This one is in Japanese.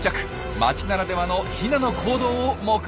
街ならではのヒナの行動を目撃です。